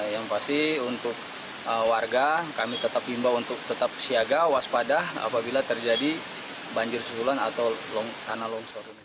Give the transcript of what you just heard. yang pasti untuk warga kami tetap himbau untuk tetap siaga waspada apabila terjadi banjir susulan atau tanah longsor